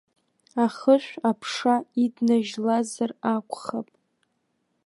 Ахышә аԥша иднажьлазар акәхап.